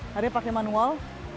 hari ini pakai manual